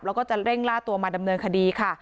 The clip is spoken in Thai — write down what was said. แล้วก็จะเร่งล่าตัวมาดำเนินคดีค่ะ